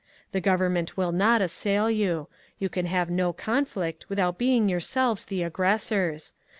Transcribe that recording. The government will not assail you. You can have no conflict without being yourselves the aggressors.